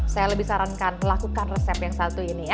saya lebih sarankan lakukan resep yang satu ini ya